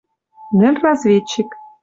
Нӹл разведчик